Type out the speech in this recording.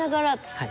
はい。